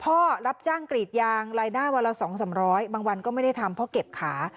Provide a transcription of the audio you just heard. รับจ้างกรีดยางรายได้วันละ๒๓๐๐บางวันก็ไม่ได้ทำเพราะเก็บขา